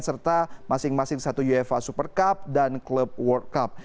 serta masing masing satu uefa super cup dan klub world cup